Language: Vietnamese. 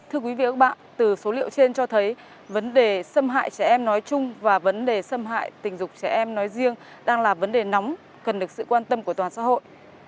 thưa quý vị và các bạn từ số liệu trên cho thấy vấn đề xâm hại trẻ em nói chung và vấn đề xâm hại tình dục trẻ em nói riêng đang là vấn đề nóng cần được sự quan tâm của toàn xã hội